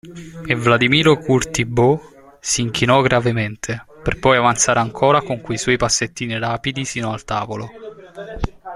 E Vladimiro Curti Bo' s'inchinò gravemente, per poi avanzare ancora con quei suoi passettini rapidi sino al tavolo.